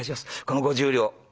この５０両」。